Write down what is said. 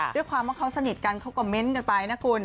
ด้วยความว่าเขาสนิทกันเขาก็เม้นต์กันไปนะคุณ